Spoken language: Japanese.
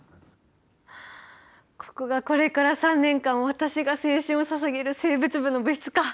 ここがこれから３年間私が青春をささげる生物部の部室か。